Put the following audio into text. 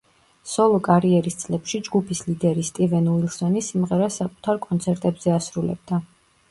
სოლო კარიერის წლებში ჯგუფის ლიდერი სტივენ უილსონი სიმღერას საკუთარ კონცერტებზე ასრულებდა.